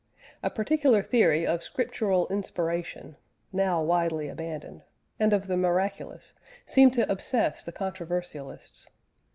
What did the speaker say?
A particular theory of scriptural inspiration (now widely abandoned), and of the miraculous, seemed to obsess the controversialists.